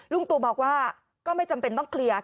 ลุงตู่บอกว่าก็ไม่จำเป็นต้องเคลียร์